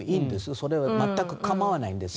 それは全く構わないんです。